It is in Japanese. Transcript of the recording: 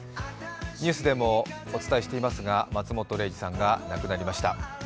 ニュースでもお伝えしていますが松本零士さんが亡くなりました。